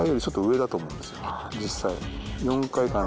実際。